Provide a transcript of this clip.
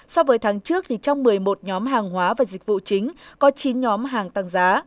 so với tháng trước trong một mươi một nhóm hàng hóa và dịch vụ chính có chín nhóm hàng tăng giá